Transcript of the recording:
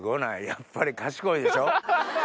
やっぱり賢いでしょ？